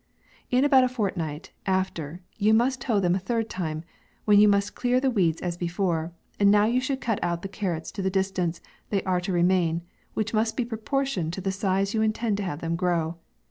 In about a fortnight after, you must hoe them a third time, when you must clear the weeds as before, and now you should cut out the carrots to the distance they are to re main, which must be proportioned to the size you intend to have them grow.